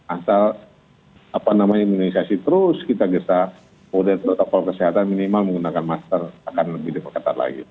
asal apa namanya imunisasi terus kita gesa kode atau toko kesehatan minimal menggunakan master akan lebih diperkata lagi